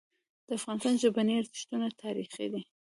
د افغانستان ژبني ارزښتونه تاریخي دي.